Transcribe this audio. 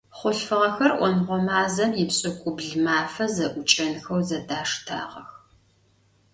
Хъулъфыгъэхэр Ӏоныгъо мазэм ипшӏыкӏубл мафэ зэӏукӏэнхэу зэдаштагъэх.